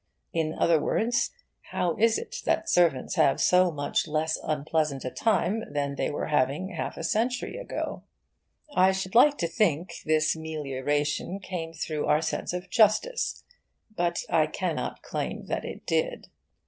In other words, how is it that servants have so much less unpleasant a time than they were having half a century ago? I should like to think this melioration came through our sense of justice, but I cannot claim that it did.